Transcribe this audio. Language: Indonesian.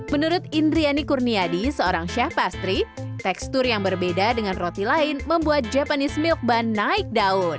menurut indriani kurniadi seorang chef pastri tekstur yang berbeda dengan roti lain membuat japanese milk bun naik daun